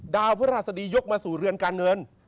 ดาวพระราชดียกมาสู่เรือนการเงิน